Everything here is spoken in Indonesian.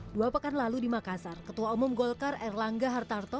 dua pekan lalu di makassar ketua umum golkar erlangga hartarto